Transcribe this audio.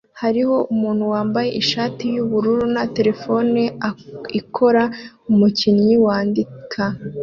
Hariho umuntu wambaye ishati yubururu na terefone ikora umukinnyi wandika